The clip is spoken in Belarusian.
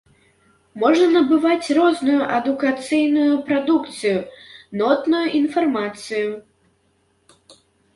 Можна набываць розную адукацыйную прадукцыю, нотную інфармацыю.